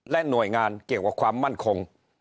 หน่วยงานเกี่ยวกับความมั่นคง